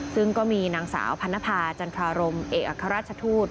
ซึ่งก็มีนางสาวพันนภาจันทรารมเอกอัครราชทูต